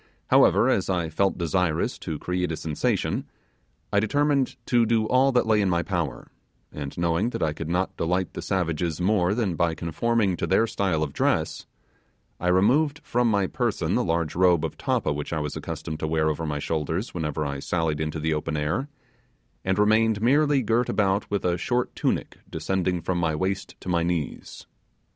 However, as I felt desirous to create a sensation, I determined to do all that lay in my power; and knowing that I could not delight the savages more than by conforming to their style of dress, I removed from my person the large robe of tappa which I was accustomed to wear over my shoulders whenever I sallied into the open air, and remained merely girt about with a short tunic descending from my waist to my knees.